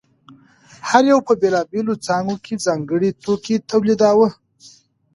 هر یوه په بېلابېلو څانګو کې ځانګړی توکی تولیداوه